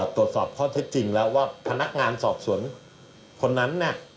ตรวจสอบข้อเท็จจริงแล้วว่าพนักงานสอบสวนคนนั้น